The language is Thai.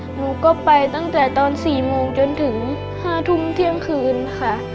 หนูก็ไปตั้งแต่ตอน๔โมงจนถึง๕ทุ่มเที่ยงคืนค่ะ